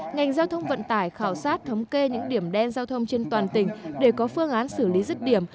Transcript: ngành giao thông vận tải khảo sát thống kê những điểm đen giao thông trên toàn tỉnh để có phương án xử lý rứt điểm